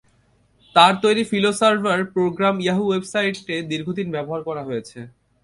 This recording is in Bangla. তাঁর তৈরি ফিলো সার্ভার প্রোগ্রাম ইয়াহু ওয়েবসাইটে দীর্ঘদিন ব্যবহার করা হয়েছে।